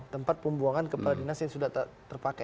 tempat pembuangan kepala dinas yang sudah terpakai